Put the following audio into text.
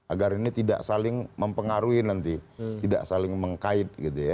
agar ini tidak saling mempengaruhi nanti tidak saling mengkait